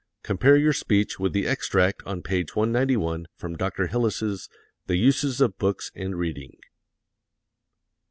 Compare your speech with the extract on page 191 from Dr. Hillis's "The Uses of Books and Reading."